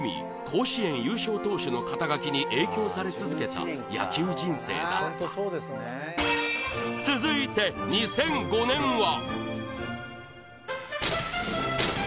甲子園優勝投手の肩書に影響され続けた野球人生だった続いて２００５年は？